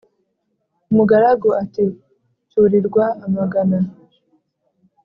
umugaragu ati: “cyurirwa amagana”